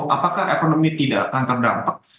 apakah ekonomi tidak akan terdampak